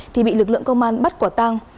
thì bị lực lượng công an bắt quả tang